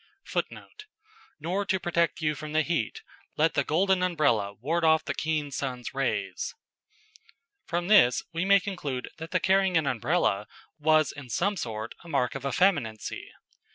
[Footnote: "Nor to protect you from the heat, let the golden umbrella ward off the keen sun's rays."] From this we may conclude that the carrying an Umbrella was in some sort a mark of effeminacy.